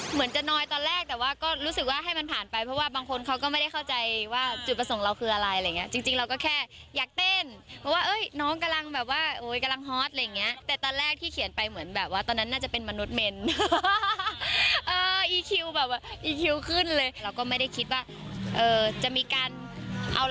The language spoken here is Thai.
เหมือนจะน้อยตอนแรกแต่ว่าก็รู้สึกว่าให้มันผ่านไปเพราะว่าบางคนเขาก็ไม่ได้เข้าใจว่าจุดประสงค์เราคืออะไรอะไรอย่างเงี้จริงเราก็แค่อยากเต้นเพราะว่าเอ้ยน้องกำลังแบบว่าโอ้ยกำลังฮอตอะไรอย่างเงี้ยแต่ตอนแรกที่เขียนไปเหมือนแบบว่าตอนนั้นน่าจะเป็นมนุษย์เมนอีคิวแบบอีคิวขึ้นเลยเราก็ไม่ได้คิดว่าจะมีการเอา